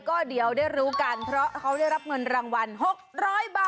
ก็เดี๋ยวได้รู้กันเพราะเขาได้รับเงินรางวัล๖๐๐บาท